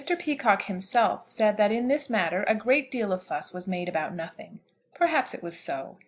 PEACOCKE himself said that in this matter a great deal of fuss was made about nothing. Perhaps it was so.